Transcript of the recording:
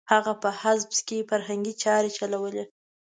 هغه په حزب کې فرهنګي چارې چلولې.